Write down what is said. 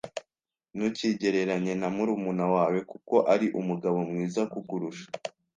Ntukigereranye na murumuna wawe kuko ari umugabo mwiza kukurusha.